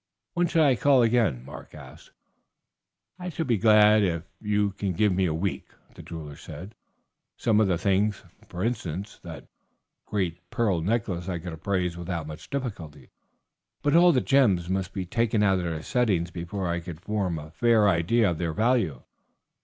"When shall I call again?" Mark asked. "I should be glad if you can give me a week," the jeweler said. "Some of the things, for instance that great pearl necklace, I could appraise without much difficulty, but all the gems must be taken out of their settings before I could form a fair idea of their value."